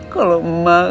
kalau mau ngerawat cuy